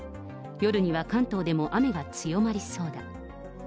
夜には関東でも雨が強まりそうだ。